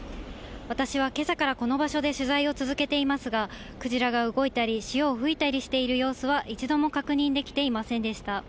私はけさからこの場所で取材を続けていますが、クジラが動いたり、潮を吹いたりしている様子は一度も確認できていませんでした。